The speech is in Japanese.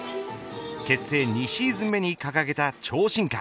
結成２シーズン目に掲げた超進化。